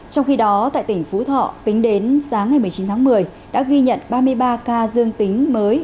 trong khi đó tại tỉnh phú thọ tính đến sáng ngày một mươi chín tháng một mươi đã ghi nhận ba mươi ba ca dương tính mới